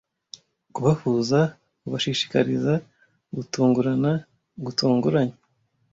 kubahuza kubashishikariza gutungurana gutunguranye